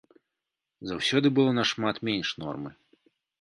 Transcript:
Заўсёды было нашмат менш нормы.